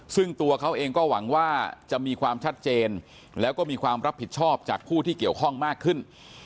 ซึ่งตัวเขาเองก็หวังว่าจะมีความชัดเจนแล้วก็มีความรับผิดชอบจากผู้ที่เกี่ยวข้องมากขึ้น